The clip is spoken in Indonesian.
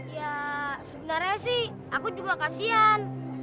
ya sebenarnya sih aku juga kasian